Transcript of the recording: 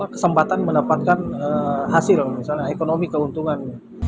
kesempatan mendapatkan hasil misalnya ekonomi keuntungan